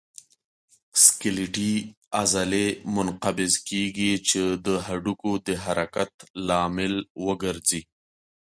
سکلیټي عضلې منقبض کېږي چې د هډوکو د حرکت لامل وګرځي.